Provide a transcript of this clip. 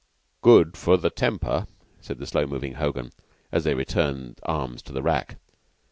"Good for the temper," said the slow moving Hogan, as they returned arms to the rack.